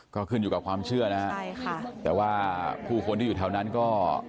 ก็ขึ้นอยู่กับความเชื่อนะฮะใช่ค่ะแต่ว่าผู้คนที่อยู่แถวนั้นก็